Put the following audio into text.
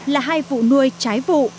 là hai vụ nuôi trái vụ